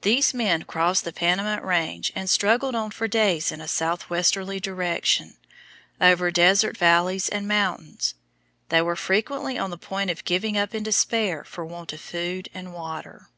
These men crossed the Panamint Range and struggled on for days in a southwesterly direction, over desert valleys and mountains. They were frequently on the point of giving up in despair for want of food and water.